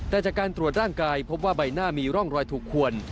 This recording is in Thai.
แต่จากการตรวจร่างกายพบว่าใบหน้ามีร่องรอยถูกขวน